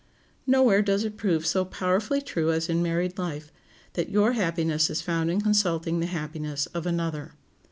Nowhere does it prove so powerfully true as in married life, that your happiness is found in consulting the happiness of another.